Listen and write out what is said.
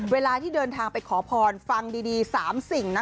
เวลาที่เดินทางไปขอพรฟังดี๓สิ่งนะ